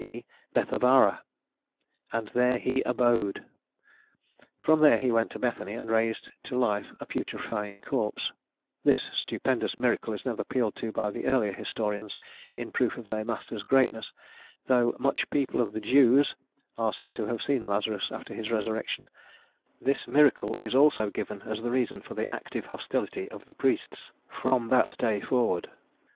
e., Bethabara, "and there he abode" From there he went to Bethany and raised to life a putrefying corpse: this stupendous miracle is never appealed to by the earlier historians in proof of their master's greatness, though "much people of the Jews" are said to have seen Lazarus after his resurrection: this miracle is also given as the reason for the active hostility of the priests, "from that day forward."